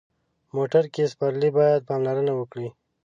موټر کې سپرلي باید پاملرنه وکړي.